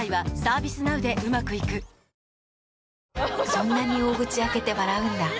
そんなに大口開けて笑うんだ。